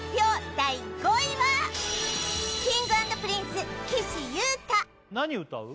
第５位はＫｉｎｇ＆Ｐｒｉｎｃｅ岸優太何歌う？